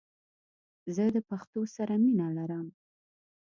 زه د پښتو سره مینه لرم🇦🇫❤️